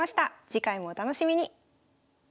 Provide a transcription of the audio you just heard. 次回もお楽しみに。